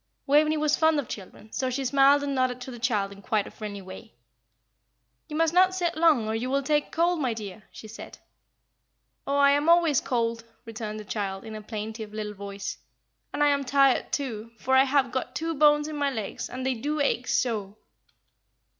Waveney was fond of children, so she smiled and nodded to the child in quite a friendly way. "You must not sit long, or you will take cold, my dear!" she said. "Oh, I am always cold," returned the child, in a plaintive little voice, "and I am tired, too, for I have got two bones in my legs, and they do ache so!"